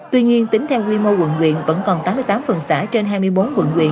tuy nhiên tính theo quy mô quận huyện vẫn còn tám mươi tám phần xã trên hai mươi bốn quận huyện